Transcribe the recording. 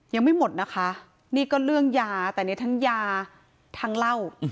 ยังไม่หมดนะคะนี่ก็เรื่องยาแต่เนี่ยทั้งยาทั้งเหล้า